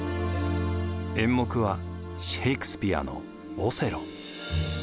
演目はシェークスピアの「オセロ」。